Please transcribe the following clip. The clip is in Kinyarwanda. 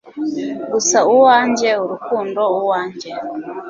gusa uwanjye, urukundo, uwanjye